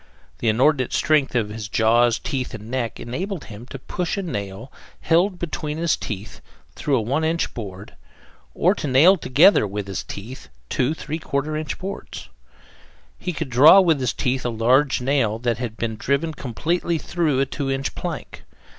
The inordinate strength of his jaws, teeth, and neck, enabled him to push a nail, held between his teeth, through a one inch board; or to nail together, with his teeth, two 3/4 inch boards. He could draw with his teeth a large nail that had been driven completely through a two inch plank.